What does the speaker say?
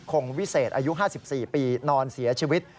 วิเศษอายุ๕๔ปีนอนเสียชีวิต